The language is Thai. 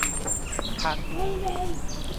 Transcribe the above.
ทั้งนี้